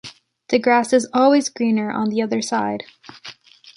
The grass is always greener on the other side.